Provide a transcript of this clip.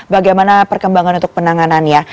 bagaimana perkembangan untuk penanganannya